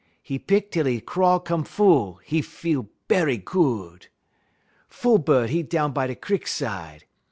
'E pick tel 'e craw come full; he feel berry good. "Fool bud, 'e down by da crik side.